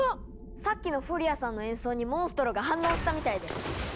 さっきのフォリアさんの演奏にモンストロが反応したみたいです！